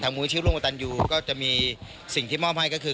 ทางมูลชีวิตรุงตันอยู่ก็จะมีสิ่งที่มอบให้ก็คือ